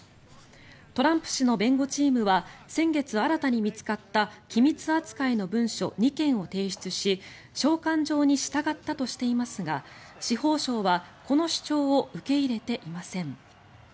トランプ氏の弁護チームは先月新たに見つかった機密扱いの文書２件を提出し召喚状に従ったとしていますが司法省はこの主張を受け入れていません。